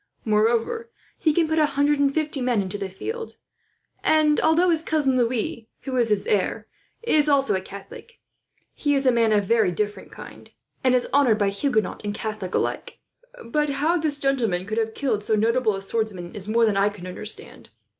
Moreover, he can put a hundred and fifty men into the field; and although his cousin Louis, who is his heir, is also Catholic, he is a man of very different kind, and is honoured by Huguenot and Catholic alike. But how this gentleman could have killed so notable a swordsman is more than I can understand.